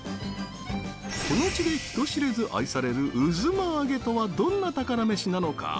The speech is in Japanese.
この地で人知れず愛される「うづまあげ」とはどんな宝メシなのか？